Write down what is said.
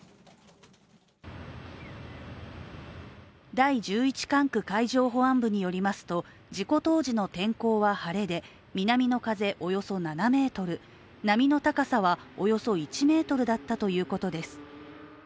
第十一管区海上保安本部によりますと事故当時の天候は晴れで南の風およそ７メートル、波の高さはおよそ１メートルだったということです。